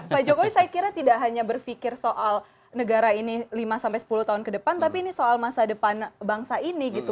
pak jokowi saya kira tidak hanya berpikir soal negara ini lima sampai sepuluh tahun ke depan tapi ini soal masa depan bangsa ini gitu